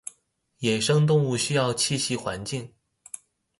野生動物重要棲息環境